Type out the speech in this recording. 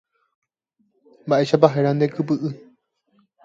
Mba'éichapa héra nde kypy'y.